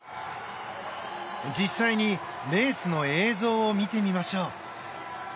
実際にレースの映像を見てみましょう。